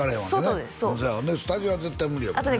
そうスタジオは絶対無理やもんね